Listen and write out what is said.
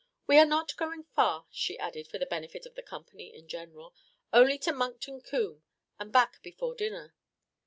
"We are not going far," she added for the benefit of the company in general; "only to Monkton Combe and back before dinner.